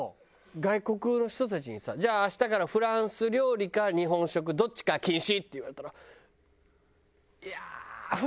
外国の人たちにさじゃあ明日からフランス料理か日本食どっちか禁止って言われたら。